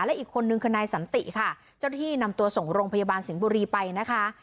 และอีกคนนึงคือนายสันติค่ะเจ้าที่นำตัวส่งโรงพยาบาลสิงห์บุรีไปนะคะ